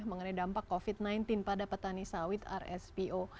mengenai dampak covid sembilan belas pada petani sawit rspo